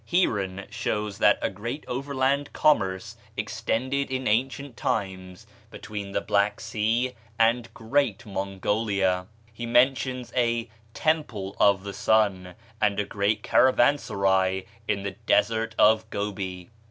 Heeren shows that a great overland commerce extended in ancient times between the Black Sea and "Great Mongolia;" he mentions a "Temple of the Sun," and a great caravansary in the desert of Gobi.